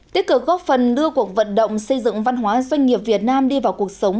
tiết cử góp phần đưa cuộc vận động xây dựng văn hóa doanh nghiệp việt nam đi vào cuộc sống